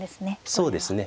そうですね。